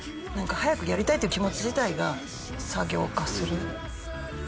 なんか早くやりたいっていう気持ち自体が作業化する。